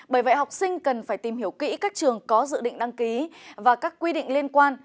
bởi vậy học sinh cần phải tìm hiểu kỹ các trường có dự định đăng ký và các quy định liên quan